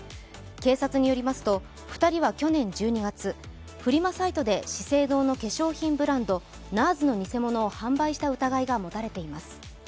警察によりますと、２人は去年１２月、フリマサイトで資生堂の化粧品ブランドＮＡＲＳの偽物を販売した疑いが持たれています。